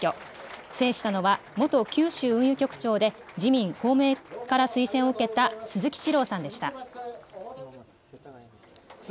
長崎市長選挙、制したのは元九州運輸局長で自民、公明から推薦を受けた鈴木史朗さんでした。